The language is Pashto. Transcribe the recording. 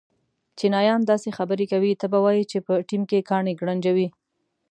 چینایان داسې خبرې کوي ته به وایې چې په ټېم کې کاڼي گړنجوې.